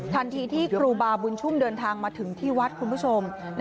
ทันทีที่ครูบาบุญชุ่มเดินทางมาถึงที่วัดคุณผู้ชม